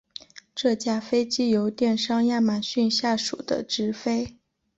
这架飞机由电商亚马逊下属的执飞。